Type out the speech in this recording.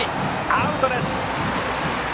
アウトです。